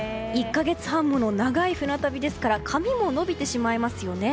１か月半もの長い船旅ですから髪も伸びてしまいますよね。